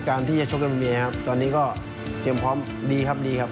การที่จะชกกับเมียครับตอนนี้ก็เตรียมพร้อมดีครับดีครับ